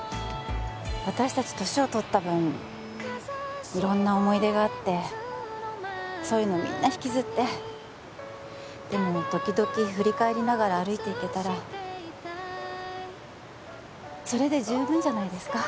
私達年を取った分色んな思い出があってそういうのみんな引きずってでも時々振り返りながら歩いていけたらそれで十分じゃないですか？